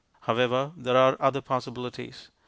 However, there are other possibilities.